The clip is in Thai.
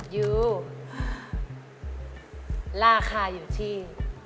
ยูราคาอยู่ที่